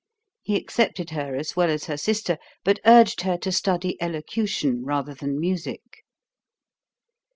He accepted her as well as her sister, but urged her to study elocution rather than music.